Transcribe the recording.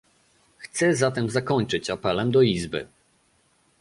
Chcę zatem zakończyć apelem do Izby